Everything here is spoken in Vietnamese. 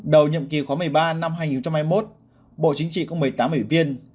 đầu nhậm kỳ khóa một mươi ba năm hai nghìn hai mươi một bộ chính trị có một mươi tám ủy viên